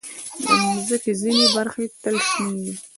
د مځکې ځینې برخې تل شنې وي.